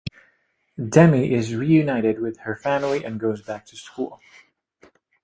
Demi is reunited with her family and goes back into school.